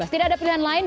tidak ada pilihan lain